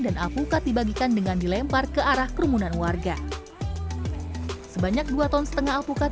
dan apukat dibagikan dengan dilempar kearah kerumunan warga sebanyak dua ton setengah apukat